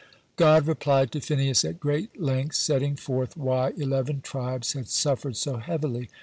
God replied to Phinehas at great length, setting forth why eleven tribes had suffered so heavily.